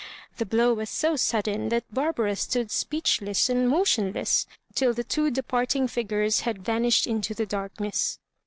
The blow was so sudden, that Barbara stood speechless &nd motionless till the two departing figures had vanished in the darkness.